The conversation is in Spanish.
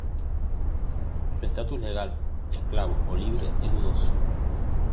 Su estatus legal —esclavo o libre— es dudoso.